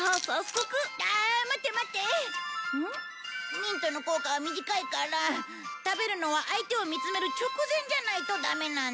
ミントの効果は短いから食べるのは相手を見つめる直前じゃないとダメなんだ。